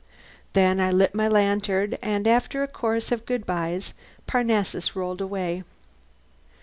Then I lit my lantern and after a chorus of good byes Parnassus rolled away.